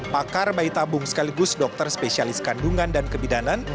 pakar bayi tabung sekaligus dokter spesialis kandungan dan kebidanan